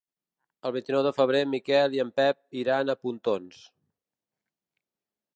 El vint-i-nou de febrer en Miquel i en Pep iran a Pontons.